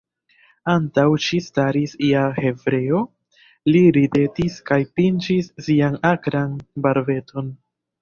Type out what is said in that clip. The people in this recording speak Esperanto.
Antaŭ ŝi staris ia hebreo, li ridetis kaj pinĉis sian akran barbeton.